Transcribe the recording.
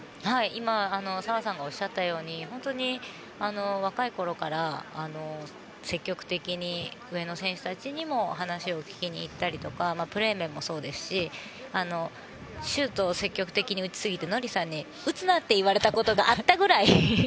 今、澤さんがおっしゃったように本当に若いころから積極的に上の選手たちにも話を聞きにいったりとかプレー面もそうですしシュートを積極的に打ちすぎて、ノリさんに打つなと言われたことがあったぐらい。